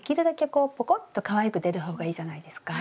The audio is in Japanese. こうポコッとかわいく出るほうがいいじゃないですか。